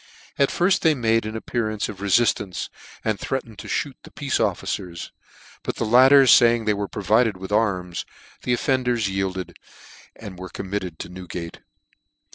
At firfl they made an ap pearance of refinance, and threatened to (hoot the peace officers ; but the latter faying they were provided with arms, the offenders yielded, and were committed to Newgate.